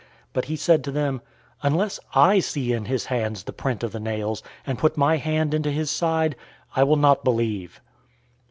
But he said to them, "Unless I see in his hands the print of the nails, and put my hand into his side, I will not believe."